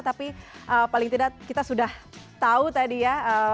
tapi paling tidak kita sudah tahu tadi ya